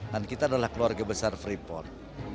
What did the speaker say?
dan kita adalah keluarga besar freeport